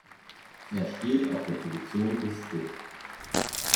Er spielt auf der Position des "Skip".